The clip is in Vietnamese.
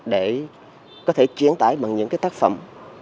để có thể truyền tải bằng những cái tác phẩm